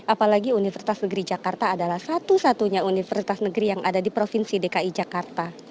apalagi universitas negeri jakarta adalah satu satunya universitas negeri yang ada di provinsi dki jakarta